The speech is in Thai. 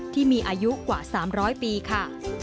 ที่มีอายุกว่า๓๐๐ปีค่ะ